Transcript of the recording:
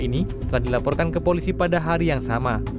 pemerintah yang telah melaporkan ke polisi pada hari yang sama